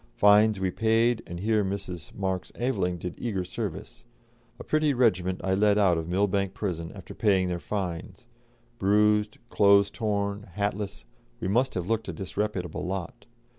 Fines we paid, and here Mrs. Marx Aveling did eager service. A pretty regiment I led out of Millbank Prison, after paying their fines; bruised, clothes torn, hatless, we must have looked a disreputable lot.